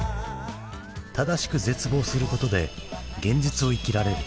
正しく絶望することで現実を生きられる。